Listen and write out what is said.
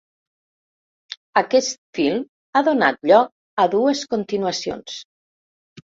Aquest film ha donat lloc a dues continuacions.